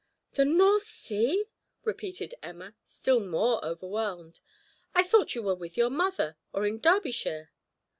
"The North Sea!" repeated Emma, still more overwhelmed. "I thought you were with your mother, or in Derbyshire."